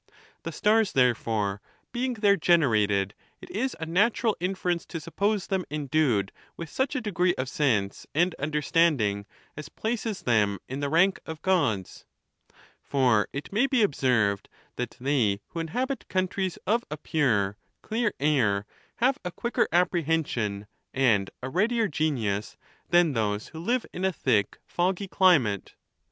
The stars, therefore, being there genei ated, it is a natu ral inference to suppose them endued with such a degree of sense and understanding as places them in the rank of Gods. XVI. For it may be observed that they who inhabit countries of a pure, clear air have a quicker apprehension and a readier genius than those who live in a thick, foggy climate.